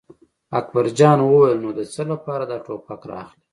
اکبر جان وویل: نو د څه لپاره دا ټوپک را اخلې.